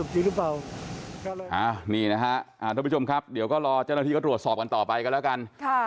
ทุบชมครับเดี๋ยวก็รอเจ้าหน้าที่ก็ตรวจสอบกันต่อไปกันแล้วกัน